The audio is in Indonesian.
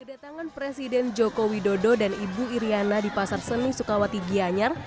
kedatangan presiden joko widodo dan ibu iryana di pasar seni sukawati gianyar